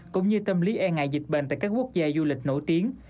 cũng như tâm lý e ngại dịch bệnh tại các quốc gia du lịch nổi tiếng